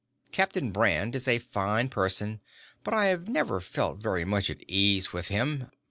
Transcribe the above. Captain Brand is a fine person, but I have never felt very much at ease with him.